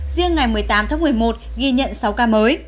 riêng ngày một mươi tám tháng một mươi một ghi nhận sáu ca mới